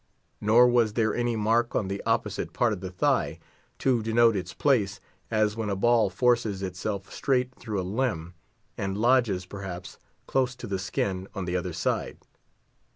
Nor was there any mark on the opposite part of the thigh to denote its place, as when a ball forces itself straight through a limb, and lodges, perhaps, close to the skin on the other side.